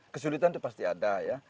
kesulitan itu pasti ada ya